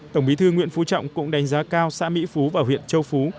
tổng bí thư nguyễn phú trọng cũng đánh giá cao xã mỹ phú và huyện châu phú